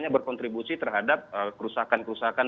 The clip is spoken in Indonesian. berkontribusi terhadap kerusakan kerusakan